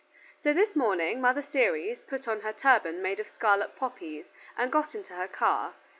So this morning Mother Ceres put on her turban made of scarlet poppies and got into her car.